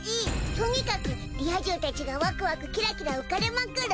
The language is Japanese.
とにかくリア充たちがワクワクキラキラ浮かれまくる